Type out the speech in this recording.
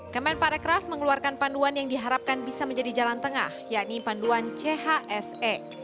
kemen parekraf mengeluarkan panduan yang diharapkan bisa menjadi jalan tengah yakni panduan chse